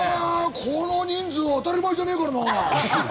この人数、当たり前じゃねえ